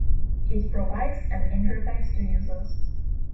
it provides an interface to users